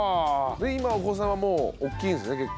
で今お子さんはもう大きいんですね結構。